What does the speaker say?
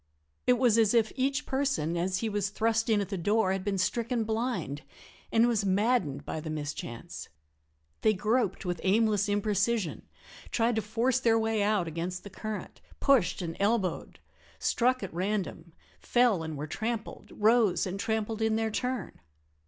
It was as if each person as he was thrust in at the door had been stricken blind, and was maddened by the mischance. They groped with aimless imprecision, tried to force their way out against the current, pushed and elbowed, struck at random, fell and were trampled, rose and trampled in their turn.